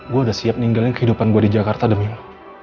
gue udah siap ninggalin kehidupan gue di jakarta demi apa